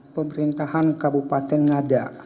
pemerintahan kabupaten ngada